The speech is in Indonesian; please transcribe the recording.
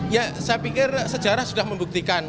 ya saya pikir sejarah sudah membuktikan